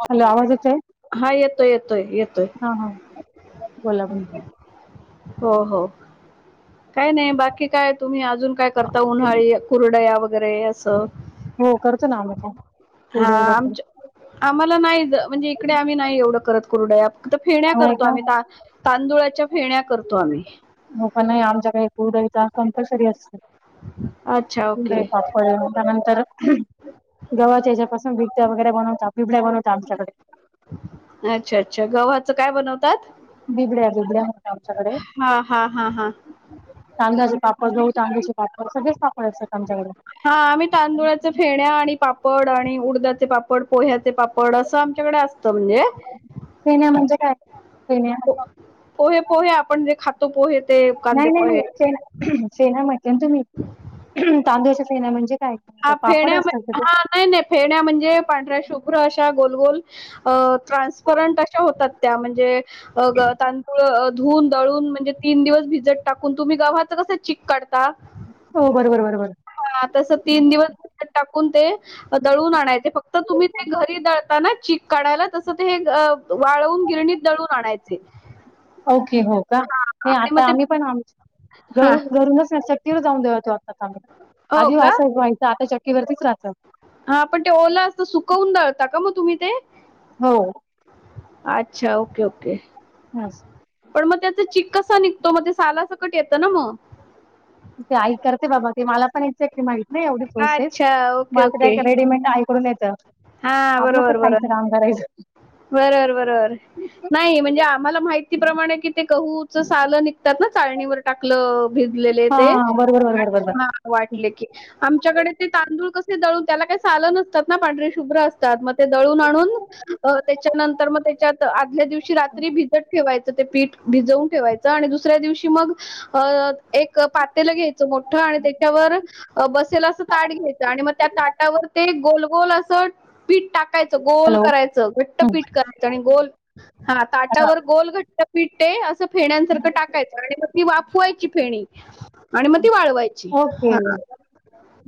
Hello आवाज येतोय? हा येतोय येतोय येतोय हा, हा बोला बोला हो, हो काय नाही, बाकी काय तुम्ही अजून काय करता, उन्हाळी कुरडया वगैरे असं? हं करतो ना आम्हीपण हा कुरडई, पापड आमच्या आम्हाला नाही ज म्हणजे इकडं आम्ही नाही एवढं करत कुरडया, फक्त फेण्या नाही करतो का आम्ही ता तांदुळाच्या फेण्या करतो आम्ही. मोपा नाही आमच्याकडे कुरडईचा कंपलसरी असते अच्छा कुरडई, ओके पापड [unintelligible] त्यानंतर गव्हाच्या ज्याबिकट्या वगैरे बनवता बनवता आमच्याकडे अच्छा अच्छा गव्हाचं काय बनवतात? बिबड्या बिबड्या म्हणतात आमच्याकडे हा हा हा हा तांदळाचे पापड जाऊ तांदूचे पापड सगळेच पापड असतात आमच्याकडे. हा आम्ही तांदुळाचे फेण्या आणि पापड आणि उडद्याचे पापड पोह्याचे पापड असं आमच्याकडे अस तो म्हणजे. सेन्या म्हणजे काय सेन्या पो- पोहे पोहे आपण जे खातो पोहे ते. कांदे नाही नाही पोहे नाही से सेना म्हटलं तुम्ही तांदूळच्या सेना म्हणजे. काय आप पापड फेण्या म असतात का ह ते नाही नाही फेरण्या म्हणजे पांढऱ्या शुभ्र अशा गोलगोल ट्रान्सपरंट अशा होतात. त्या म्हणजे तांदूळ धुऊन दळून म्हणजे. तीन दिवस भिजत टाकून तुम्ही गावाच कसं चक काढता हो बरोबर बरोबर. हे बघ क टाकून ते दळून आणायचे फक्त तुम्ही ते घरी दळताना चक काढायला तसं ते. वाळवून गिरणीत दळून आणाय ते ओके हो का हे आता आम्ही पण आमच घर हां. घरूनच शक्तीवर जाऊन दवत वात आमला हो आधी वां का? व्हायं आता चट वरतीच राहत हा पण ते ओला असत सुकवून दाळता का मग तुम्ही ते हो अच्छा ओके ओके. हास. पण मग त्याचा चक कसा निघतो मग ते साला सकट येतं ना मग? ति ते आई करते बाबा ते मला पण एकक्ली माहिती. नाही एवढी प्रोसेस अच्छा म ओके आ ओके रेडीमेड प्रोसेस, आईकडून येतं हा बरोबर बरोबर. खायचं ना काम करायचं. बरोबर बरोबर. नाही म्हणजे आम्हाला माहितीप्रमाणे कि ते कहूच सालं निघतात ना चाळणीवर टाकलं. भिजलेले हा ते हा बरोबर बरोबर आणि बरोबर वाटले की आमच्याकडे ते तांदूळ कसे दळून त्याला काही सालं नसतात ना पांढरी शुभ्र असतात मग ते दळून आणून. अ मग त्याच्यात आदल्या दिवशी रात्री भिजत ठेवायचं ते पीठ भिजवून ठेवाय आणि दुसऱ्या दिवशी मग अ एक पातेल घ्यायचं मोठं आणि त्याच्यावर. बसेला असं ताट घ्यायचं आणि मग त्या ताटावर ते गोलगोल असं. पीठ टाकायचं गोल हॅलो करायचं. घट्टपीठ करायचं आणि गोल हा ताटावर गोल घट्ट पिट्टे असं फेण्यासारखं टाकायचं आणि मग ती वाफवायची फेणी. आणि मग ती वाळवायची. ओके.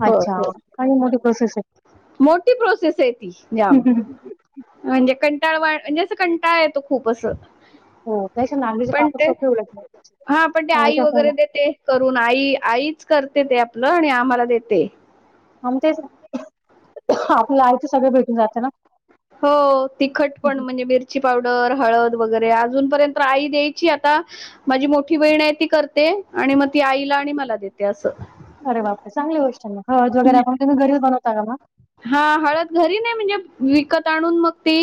हो अच्छा हो काही मोठी प्रोसेस आहे. मोठी प्रोसेस य ती जम. आहे म्हणजे कंटाळवा म्हणजे असं कंटाळ आहे तो खूप असं हो त्याच्या नागलीचे पण पापड ते सोपे उलट हा पण मगाशी आई आपण वगैरे देते. करून आई आईच करते ते आपलं आणि आम्हाला देते. आम ते आपल्या आईच सगळ भेटून जातं ना. हो तिखटपण म्हणजे मिर मच्ची पावडर हळद वगैरे अजूनपर्यंत आई द्यायची आता. माझी मोठी बहीण आहे ती करते आणि मग ती आईला आणि मला देते असं. अर बापर चांगली गोष्ट आहे हळजगैरे आपण तुम्ही घरी बनवता का मग? हा हळद घरी नाही म्हणजे विकत आणून मग ती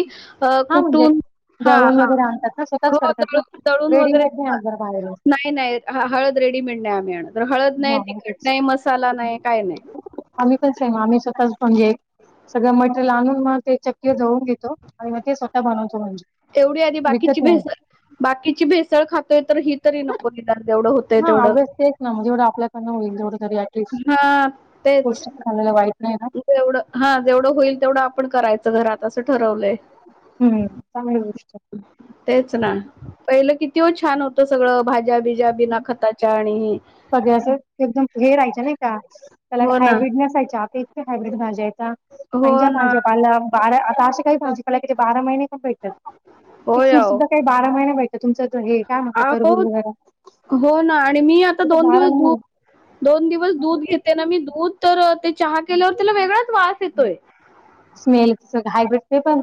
अ हा म्हणजे कुठून. हा दळून हा वगैरे आणतात ना स्वतःच करतात ना होळून तळून वगैरे, रेडीमेड नाही नाय. आणणार बाहेरून नाही नाही हळद रेडीमेंड नाही आणत, आम्ही आण तर हळद हा नाही हा तिखट तेच नाही मसाला नाही काय नाही. आम्ही पण सेम, आम्ही स्वतःच म्हणजे सगळं मटेरियल आणून म ते चक्कीवर दळून घेतो आणि मग ते स्वतः बनवतो म्हणजे एवढी आणि बाकीची विकत नाही भेसळ. बाकीची भेसळ खातोय, तर ही तरी नको इ दरवढं होतय हा तेवढं. अभ्यास तेच ना जेवढं आपल्याकडन होईल तेवढ, तरी हां, तेच. गोष्टायला वाईट नाही. जेवढं हा जेवढं होईल तेवढं आपण करायचं घरात असं ठरवलंय. हम्म चांगली गोष्टय. तेच ना पहिलं किती हो छान होतं सगळं भाज्या बीज जा बिना खताच्या आणि. ते असं एकदम हे रायच्या नाही का त्याला हो ना. हायब्रिडनेसय आता एके हायब्र्रीड भाज्यायता. हो म्हज्या ना. भाजी पा बारा आता अशी काही भाजीपाला बारा महिने पण भेट. ते होय फ्रूट अहो. सुद्धा काही बारा महिने पाहि तुमचं हे काय मग अहो तरबूज वगैरा. हो ना आणि मी आता दोन दिवस दू दोन दिवस दूध घेते ना मी दूध तर ते चहा केल्यावर त्याला वेगळाच वास येतोय. स्मेल सगळं हायब्रिड ते पण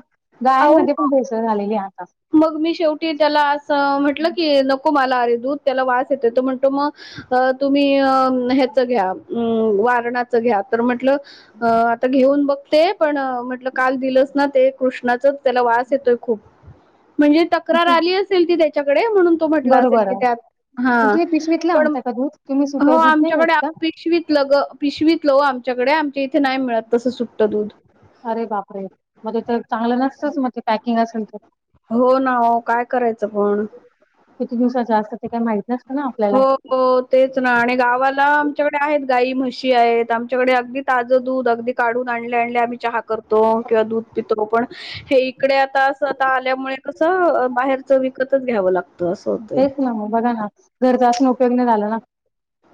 अहो गाईमध्ये पण भेसळ झालेली आहे आता. मग मी शेवटी त्याला असं म्हंटलं की नको मला अरे दूध त्याला वास येते त म्हणतो मग तुम्ही अ ह्याच घ्या वारण. घ्या तर म्हटलंआ तर घेऊन बघते, पण म्हटलं काल दिलंच ना ते कृष्णाचा त्याला वास येतोय खूप. म्हणजे तक्रार ती त्या म्हण म्हट बरोबर मग तुम्ही पिशवीतलं असल आणता का दूध तुम्ही सुटं दूध नाही आमच्याक घेत आत का पिशवीत ल ग पिशवीत लव आमच्याकडे आमच्या इथे नाही मिळत तसं सुट्टं दूध. अरे बापरे मध्ये तर चांगलं नसतंच मग. पॅकिंग असेल तर हो ना हो काय करायचं पण किती दिवसा जास्त ते काही माहित नसतं ना आपल्याला. हो हो तेच ना आणि गावाला आमच्याकडे आहेत गाई म्हशी आहेत आमच्याकडे अगदी. ताजं दूध अगदी काढून आणले आणले आम्ही चहा करतो किंवा दूध पितो पण हे इकडे आता असं आता आल्यामुळे बाहेरच विकतच घ्यावं लागतं असं होतंय. तेच ना बघा ना घरचा असून उपयोग नाही झाला ना.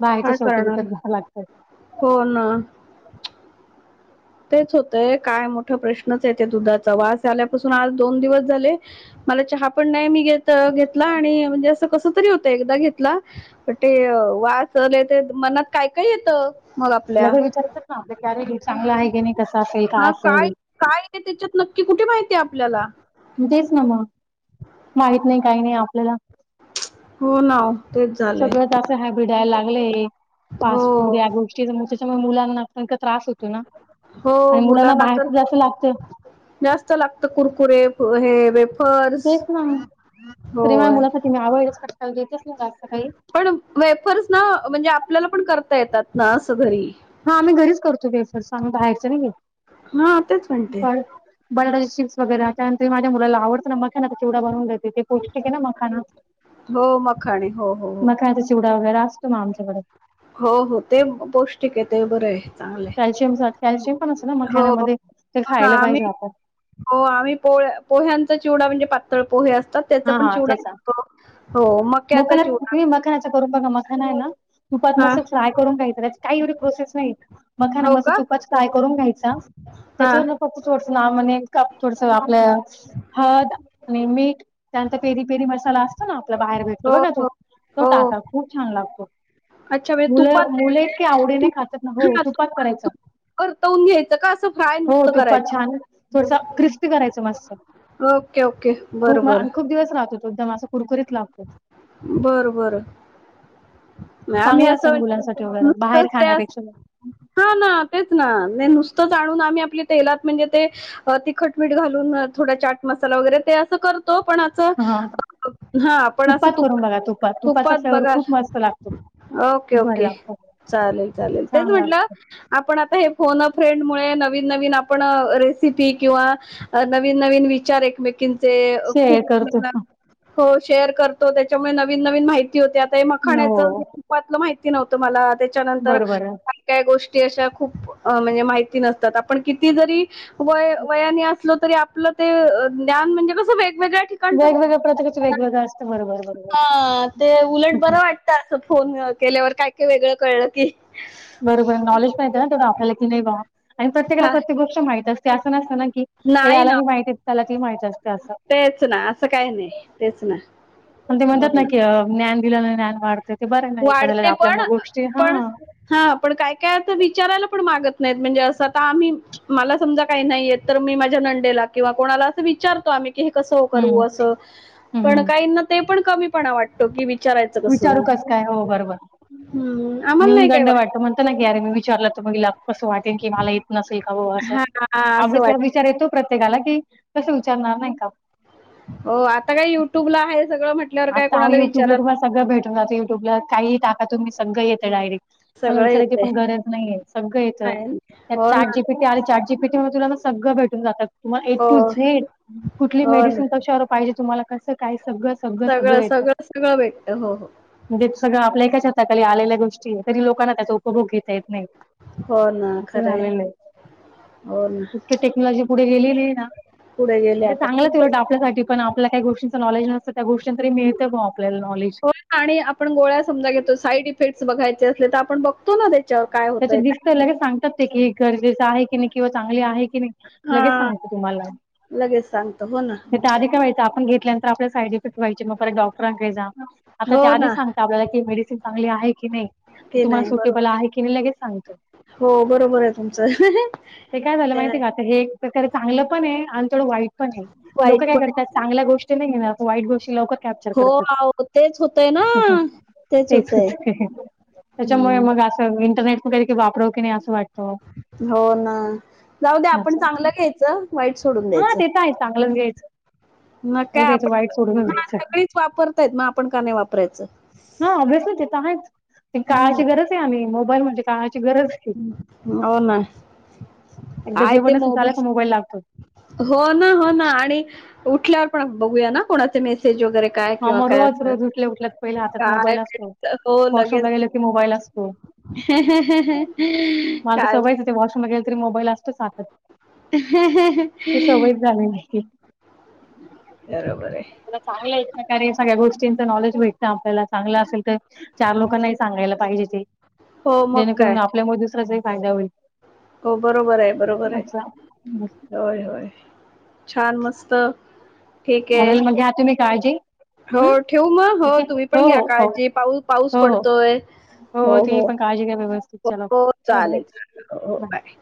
बाहेरच्या काय शेवटी विकत करणार घ्यावं लागतं हो ना. तेच होतय काय मोठा प्रश्नच आहे ते दुधाचा वास आल्यापासून आज दोन दिवस झाले. मला चहा पण नाही मी घ घेतला आणि म्हणजे असं कस री होत एकदा घेतला पण ते वाचले ते मनात काय काय येतं. मग आपल्या लगे विचारतात ना करेू चांगलं आहे की नाही कसं असेल. हा काय काय आहे त्याच्यात नक्की कुठे माहितीय आपल्याला. ण तेच मग माहत नाही काही नाही, आपल्याला. हो नाव तेच झाले. हरबर डाळ लागले फास्ट हो फूड या गोष्टी.. त्याच्यामुळे मुलांना त्रास होतो ना, हो आणि मुलांना तर बाहेर जास्त लागत. जास्त लागत कुरकुरे हे वेफर्स तेच ना, तरीपण होय मुलासाठी मी अवॉइडच फटकाल देतेच ना जास्त असत काही. पण वेफर्स ना, म्हणजे आपल्याला पण करता येतात ना असं घरी. हा आम्ही घरीच करतो, वेफर्स आम्ही बाहेरच नाही हा तेच घेत म्हणते पण. बटाट्याचे चिप्स वगैरे त्यानंतर माझ्या मुला आवडतं ना, मग खाना तेवढा बनवून देते पौष्टिक आहे ना मखाना. हो मखाणे, हो हो हो. मखानाचा चिवडा वगैरे असतो ना, आमच्याकडे. हो हो ते पौष्टिक आहे, ते बरं आहे. चांगलं आहे. कॅल्शियम कॅल्शियम पण असत ना? हो, मखाना हो मध्ये ते ना खायला आम्ही पाहिजे आपण. हो आम्ही पोह्यांचा चिवडा पोह्यांचा म्हणजे पातळ पोहे असतात. त्याचा हा पण हा चीवडा तेच तो, हो मक्याचा मखाना चीवडा. तुम्ही मखानाचा करून बघा मखाना आहे ना, हां. तुपात फ्राय करून काय एवढी प्रोसेस नाही. मखाना हो मग का? तुपात फ्राय करून घ्यायचा! हां. त्याच्यावर. फक्त थोडस एक म्हण काप थोडस आपलं हळद आणि मीठ.. त्यानंतर पेरी पेरी मसाला असतो ना, आपला बाहेर भेटतो हो, बघा तो हो. तो हो. टाका खूप छान लागतो. अच्छा म्हणजे तुपात मुलं ते मुलं, इतकी आवडीने तूप खातात ना, हो हां, तूपात तुपात करायचं. तूप परतवून घ्यायचं का असं फ्राय हो नुसतं तुपात करायचं? छान थोडस क्रिस्पी करायचं मस्त. ओके ओके खूप बरोबर. आणि खूप दिवस राहतो एकदम, असं कुरकुरीत लागतो. बरं बरं. आम्ही चांगला असं असेल म्हणजे मुलांसाठी वगैरे, बाहेर नुसतंच त्या खाण्यापेक्षा, मग. हा ना, तेच ना, नुसताच आणून आम्ही आपल्या, तेलात म्हणजे ते तिखट मीठ घाल. थोडा चाट मसाला वगैरे ते अस करतो पण असं. हा हा पण, असं तुपात तुप करून बघा तुपाचा तुपात फ्लेवर बघा, खूप मस्त लागतो ओके खूप भारी ओके लागतो चालेल चालेल, तेच छान म्हटलं? लागतो आपण आता हे फोन फ्रेंड मुळे, नवीन नवीन आपण रेसिपी किंवा. अ नवीन नवीन विचार एकमेक एकमेकींचे खूप शेअर करतो हो शेअर करतो त्याच्यामुळे नवीन नवीन माहिती हो आता हे मखाचं हो माहिती नव्हतं मला त्याच्यानंतर. बरोबर आहे काही गोष्ट अशा खूप म्हणजे, माहिती नसतात आपण किती जरी व वयाने असू. आसलो तरी आपलं ते म्हणजे ज्ञान म्हणजे कसं ते वेगवेगळ्या ठिकाणी. वेगवेगळ्या प्रत्येकाचं वेगवेगळं असतं [unintelligible] बरोबर बरोबर हा ते उलट बर वाटत. असं फोन केल्यावर, काय काय वेगळं कळलं की बरोबर नॉलेज माहतीे ना ते, आपल्याला की नाही वा, आणि प्रत्येकाला हा प्रत्येक गोष्ट माहती असते, असं नसतं ना की. नाही ना यालाही माहिती त्याला ते माहित असतें असं. तेच ना अस काही नाही तेच ना. आणि ते म्हणतात ना, की ज्ञान दिल्यान ज्ञान वाढतं, ते बर ना एखाद्याला वाढते आपल्या मूळ पण गोष्टी हा पण हा पण काय काय आस विचारायला पण मागत नाहीत, म्हणजे असं आता आम्ही. मला समजा काही नाही येत, तर मी माझ्या नंदेला किंवा कोणाला असं विचारतो आम्ही! हे कसं करू हम्म असं, पण हम्म काही ना ते पण कमी पणा वाटतो की, विचारायचं कसं. नाय हो बरोबर, हम्म, आम्हाला नाही काय न्यूनगंड वाटत वाटतो म्हणतो ना की अरे मी विचारल तर मग हिला कस वाटेल की, मला येत नसेल का बाबा हा हा, असं अस [unintelligible] वाटत विचार येतो प्रत्येकाला की, कस विचारणार नाही का? हो आता काय युट्युबला आहे, सगळं म्हट आता अहो युट्यूबला तुम्हाला सगळं भेटून जात, युट्यूबला काही टाका तुमी सगळ येतं डायरेक्ट. मला सगळं विचारायची येतंय पण गरज नाहीेय, सगळं येत आहे ना. त्यात हो ना चाटजीपीटी आल चाट जीपीटी मधून तुलाना सगळं भेटून जात. तुम्हाला ए हो टू झेड कुठली हो ना मेडिसिन कशावर पाहिजे, तुम्हाला कसं काय सगळंच. सगळं सगळं सगळं भेटत हो हो. म्हणजे सगळं आपल्या एका छताखाली आलेल्या गोष्टी हे, तरी लोकांना त्याचा उपभोग घेता येत नाही. हो ना असं खरंय झालेलं आहे हो ना. इतकी टेक्नॉलॉजी पुढे गेलेली हे ना, पुढे गेले आता ते आता चांगलच उलट हो आ त्यासाठी पण, आपल्या काही गोष्टींचं नॉलेज नसतं त्या गोष्टीच तरी मिळतं ग आपल्याला नॉलेज. आणि आपण गोळ्या समजा घेतो साईड इफेक्टस बघायचे असले, तर आपण बघतो ना त्याच्यावर काय होतंय काय ते नाही. लगे सांगात ते की गरजेचं आहे, की नाही किंवा चांगली आहे. की नाही, लगेच हां सांगत तुम्हाला लगेच सांगतो हो ना ते आधि काय व्हायंच आपण घेतल्यानंतर आपल्या साईड इफेक्ट व्हायचे मग परत डॉक्टरांकडे जा आता हो ते आधिच ना सांगत. आपल्याला की मेडिसिन चांगली आहे की नाही ती ते तुम्हाला नाही सुटेबल बरोबर आहे की ते लगेच सांगत, हो बरोबर आहे तुमचं ते ते काय झाल माहित आहे. का आता हे एक प्रकारे चांगलं पण हे आणि थोडं वाईट पण हे वाईट लोक काय पण आहे. करतात. चांगल्या गोष्टी नाही घेनार, वाईट गोष्टी लवकर कॅप्चर हो करतात, अहो तेच होतंय ना हह, तेच होत हेहे. त्याच्यामुळे हं, मग असं इंटरनेट कुठे वापरव की नाही असं वाटतं ओ. हो ना, जाऊ दे आपण असं चांगलं घ्यायचं वाईट सोडून द्यायचं. काय चांगलंच घ्यायचं. मग चांगलं काय? घ्यायचं वाईट सोडूनच आपण घ्यायचं सगळीच वापरतायत मग आपण का नाही वापरायचं. हा ओबेसली ते तर आहेच, हं, काळाची गरज आहे आम्ही मोबाईल म्हणजे काळाची गरज आहे. हम्म हो ना एकदा काय ते जेवण असेल झालं मोबाईल. का लागतो हो ना हो ना आणि उठल्यावर पण बघूया ना कोणाचे मेसेज वगैरे. काय हा किंवा मग काय रोज असं रोज उठल्या उठल्या पहिले हातात काय मोबाईल असतो, भेटतं वॉशरूमला गेल की मोबाईल असतो. हेह हेह हेह काय ते वॉशरूमला गेलतरी तरी मोबाईल असतो हातात, ते सवय झाले आहे. बरोबर आहे. जरा चांगलं आहे ना. कारे सगळ्या गोष्टींच नॉलेज भेटतं आपल्याला चांगलं असेल तर चार लोकांनाही सांगायला पाहिजे ते. हो मग जेणे काय करून आपल्या मुळे दुसऱ्याचा ही फायदा होईल. हो बरोबर आहे बरोबर आहे, अच्छा होय होय. छान मस्त, ठीक आहे. चालेल घ्या तुम्ही काळजी. हो हम्म ठेवू मग? हो ओके तुम्ही पण घ्या हो हो काळजी पाऊ पाऊस हो हो पडतोय. हो तुम्ही हो पण काळजी घ्या व्यवस्थित चला हो बाय बाय चालेल चाले, हो बाय.